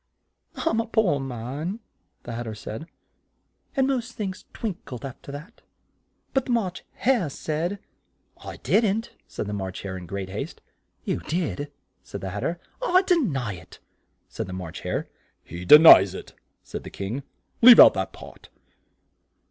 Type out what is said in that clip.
"I'm a poor man," the Hat ter went on, "and most things twink led af ter that but the March Hare said " "I didn't," said the March Hare in great haste. "You did," said the Hat ter. "I de ny it," said the March Hare. "He de nies it," said the King: "leave out that part."